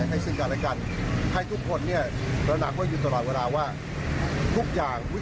ให้ซึ่งกันและกันให้ทุกคนเนี่ยระหนักว่าอยู่ตลอดเวลาว่าทุกอย่าง